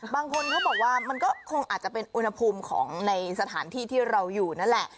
บางคนเขาบอกว่ามันก็คงอาจจะเป็นอุณหภูมิของในสถานที่ที่เราอยู่นั่นแหละ